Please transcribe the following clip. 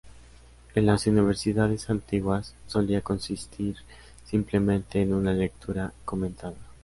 En las universidades antiguas solía consistir simplemente en una lectura comentada.